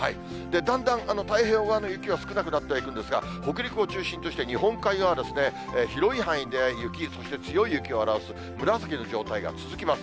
だんだん太平洋側の雪は少なくなってはいくんですが、北陸を中心として日本海側は広い範囲で雪、そして強い雪を表す紫の状態が続きます。